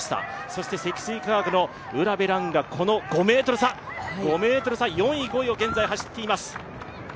そして積水化学の卜部蘭がこの５ｍ差、４位５位を現在走っています。